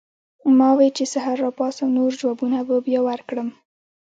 ما وې چې سحر راپاسم نور جوابونه به بیا ورکړم